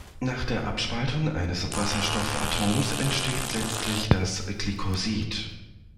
Nach der Abspaltung eines Wasserstoffatoms entsteht letztlich das Glykosid.